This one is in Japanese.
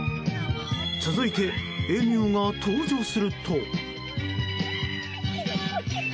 続いてエミューが登場すると。